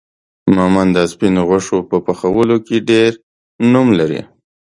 مومند دا سپينو غوښو په پخولو کې ډير نوم لري